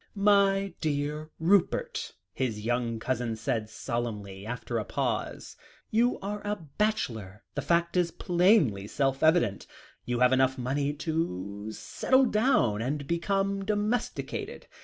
"My dear Rupert," his young cousin said solemnly, after a pause, "you are a bachelor the fact is painfully self evident; you have enough money to settle down and become domesticated.